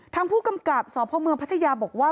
ทางผู้กำกับสพเมืองพัทยาบอกว่า